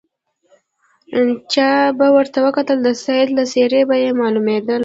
چا به ورته وکتل د سید له څېرې به یې معلومېدله.